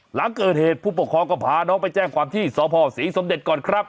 หลังเกิดเหตุผู้ปกครองก็พาน้องไปแจ้งความที่สพศรีสมเด็จก่อนครับ